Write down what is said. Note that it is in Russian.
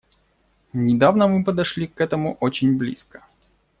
Недавно мы подошли к этому очень близко.